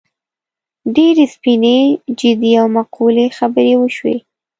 ډېرې سپینې، جدي او معقولې خبرې وشوې.